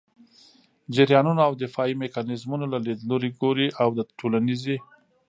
جریانونو او دفاعي میکانیزمونو له لیدلوري ګوري او د ټولنيزې